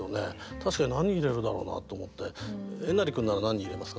確かに何入れるだろうなと思ってえなり君なら何入れますか？